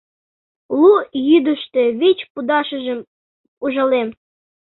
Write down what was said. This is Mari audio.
Лу йӱдыштӧ вич пудашыжым ужалем.